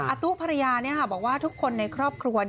อาตุ๊ภรรยาบอกว่าทุกคนในครอบครัว